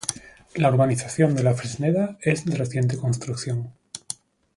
La Urbanización de La Fresneda es de reciente construcción.